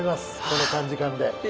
この短時間で。